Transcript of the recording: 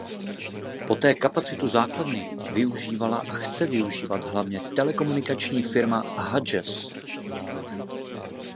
Poté kapacitu základny využívala a chce využívat hlavně telekomunikační firma Hughes.